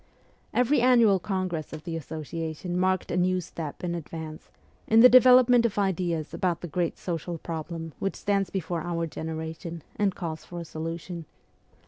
Every annual congress of the Association marked a new step in advance, in the development of ideas about the great social problem which stands before our generation and calls for a solution.